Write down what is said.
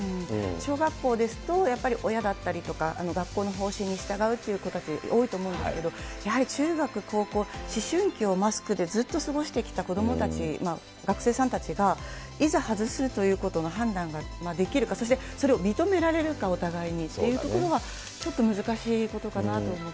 小学校ですと、やっぱり親だったりとか、学校の方針に従うという子たちが、多いと思うんですけど、やはり中学、高校、思春期をマスクで、ずっと過ごしてきた子どもたち、学生さんたちが、いざ、外すということの判断が、できるか、そしてそれを認められるか、お互いにというところは、ちょっと難しいことかなと思って。